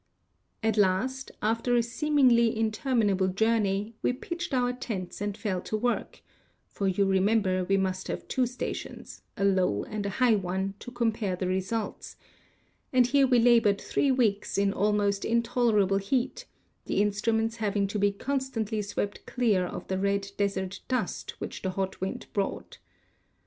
"At last, after a seemingly interminable journey, we pitched our tents and fell to work (for you remember we must have two stations, a low and a high one, to compare the results) ; and here we labored three weeks in almost intolerable heat, the instruments having to be constantly swept clear of the red desert dust which the hot wind brought.